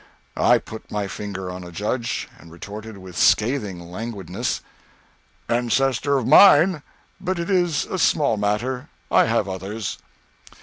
I put my finger on a judge, and retorted with scathing languidness "Ancestor of mine. But it is a small matter. I have others."